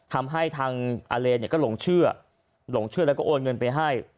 ทำให้ทางอาเลนก็หลงเชื่อหลงเชื่อแล้วก็โอนเงินไปให้